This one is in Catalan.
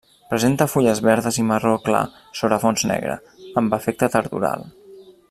Presenta fulles verdes i marró clar sobre fons negre, amb efecte tardoral.